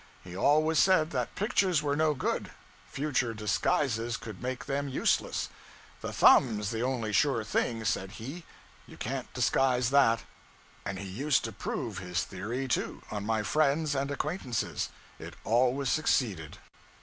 He always said that pictures were no good future disguises could make them useless; 'The thumb's the only sure thing,' said he; 'you can't disguise that.' And he used to prove his theory, too, on my friends and acquaintances; it always succeeded.